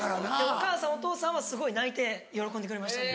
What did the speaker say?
お母さんお父さんはすごい泣いて喜んでくれました。